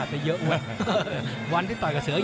มันมีรายการมวยนัดใหญ่อยู่นัดอยู่นะ